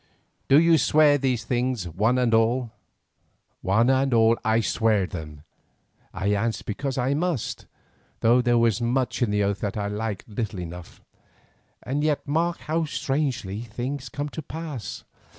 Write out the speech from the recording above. "Do you swear these things, one and all?" "One and all I swear them," I answered because I must, though there was much in the oath that I liked little enough. And yet mark how strangely things came to pass.